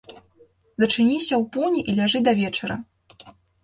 Зачыніся ў пуні і ляжы да вечара.